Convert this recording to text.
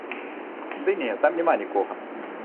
Ды не, там няма нікога!